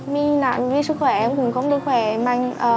mình nản vì sức khỏe em cũng không được khỏe mạnh